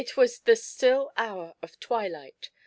was the still hour of twilight.